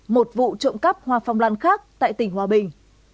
một vụ trộm cắp hoa phong lan khác tại tỉnh hòa bình